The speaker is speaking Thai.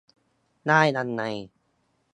ได้ยังไง